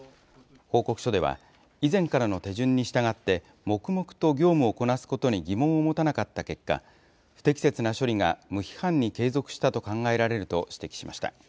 報告書では、以前からの手順に従って、黙々と業務をこなすことに疑問を持たなかった結果、不適切な処理が無批判に継続したと考えられると指摘しました。